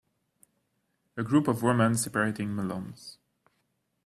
A group of women separating melons.